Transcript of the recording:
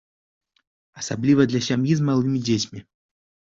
Асабліва для сям'і з малымі дзецьмі.